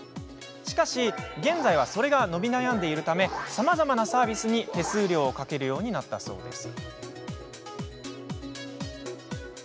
しかし、現在はそれが伸び悩んでいるためさまざまなサービスに手数料をかけるようになったそうです。